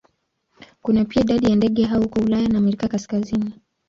Kuna pia idadi ya ndege hao huko Ulaya na Amerika ya Kaskazini.